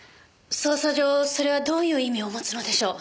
捜査上それはどういう意味を持つのでしょう？